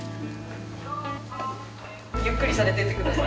ゆっくりされてってください。